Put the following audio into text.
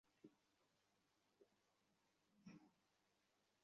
রমজান মাসে পরিবার-পরিজন নিয়ে একসঙ্গে সেহ্রি খাওয়ার পরম আনন্দ রোজার অনন্য বৈশিষ্ট্য।